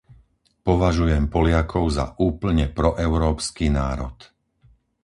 Považujem Poliakov za úplne proeurópsky národ.